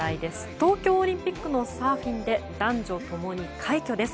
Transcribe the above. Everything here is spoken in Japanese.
東京オリンピックのサーフィンで男女共に快挙です。